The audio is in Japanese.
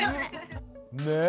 ねえ！